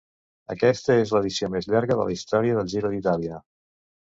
Aquesta és l'edició més llarga de la història del Giro d'Itàlia.